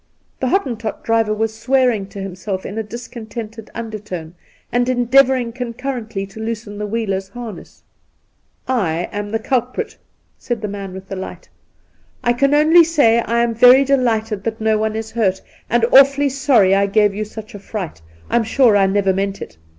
The Hottentot driver was swearing to himself in a discontented under tone, and endeavouring concurrently to loosen the wheelers' harness. ' I am the culprit,' said the man with the light. ' I can only say I am very delighted that no one is hurt, and awfully sorry that I gave you such a fright. I'm sure I never meant it.